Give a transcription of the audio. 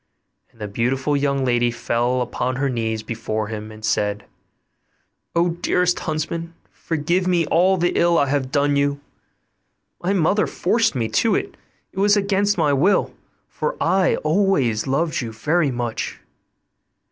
And the beautiful young lady fell upon her knees before him, and said, 'O dearest huntsman! forgive me all the ill I have done you; my mother forced me to it, it was against my will, for I always loved you very much.